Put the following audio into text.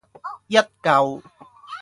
一舊